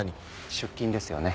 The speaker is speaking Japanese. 出勤ですよね？